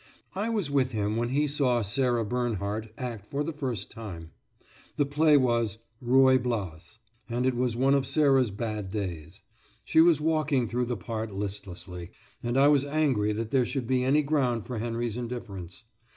I was with him when he saw Sarah Bernhardt act for the first time. The play was "Ruy Blas," and it was one of Sarah's bad days. She was walking through the part listlessly, and I was angry that there should be any ground for Henry's indifference.